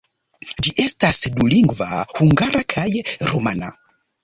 Ĝi estas dulingva: hungara kaj rumana.